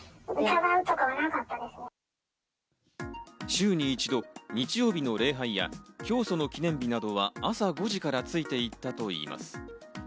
週に一度、日曜日の礼拝や教祖の記念日などは朝５時からついていったといいます。